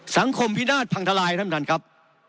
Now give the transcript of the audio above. สังคมพินาศพังทลายท่านประธานครับ